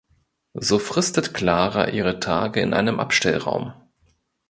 So fristet Klara ihre Tage in einem Abstellraum.